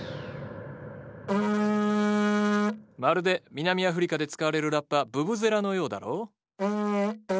まるで南アフリカで使われるラッパブブゼラのようだろ？